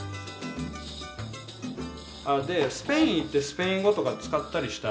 でスペイン行ってスペイン語とか使ったりした？